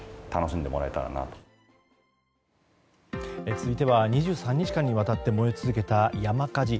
続いては２３日間にわたって燃え続けた山火事。